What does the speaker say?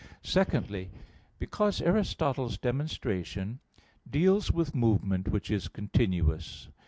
Secondly, because Aristotle's demonstration deals with movement which is continuous.